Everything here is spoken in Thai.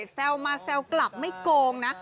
แซวมาแซวกลับไม่โกงนะ